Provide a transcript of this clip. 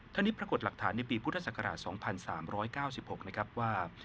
เท่านี้ปรากฏหลักฐานในปีพศ๒๓๙๖นะครับว่า